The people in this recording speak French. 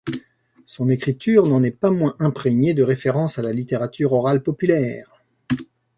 Son écriture n’en est pas moins imprégnée de références à la littérature orale populaire.